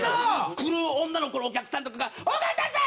来る女の子のお客さんとかが「尾形さん！」